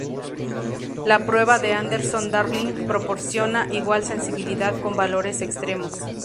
La prueba de Anderson-Darling proporciona igual sensibilidad con valores extremos.